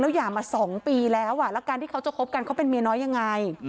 หย่ามา๒ปีแล้วแล้วการที่เขาจะคบกันเขาเป็นเมียน้อยยังไง